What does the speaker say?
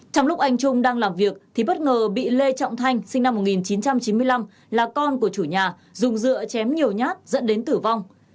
trong lúc anh trung đang làm việc thì bất ngờ bị lê trọng thanh sinh năm một nghìn chín trăm chín mươi năm là con của chủ nhà dùng dựa chém nhiều nhát dẫn đến tử vong